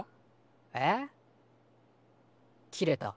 えっ？切れた。